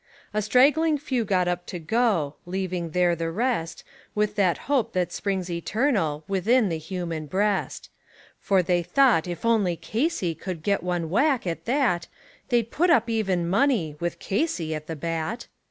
A straggling few got up to go, leaving there the rest With that hope that springs eternal within the human breast; For they thought if only Casey could get one whack, at that They'd put up even money, with Casey at the bat.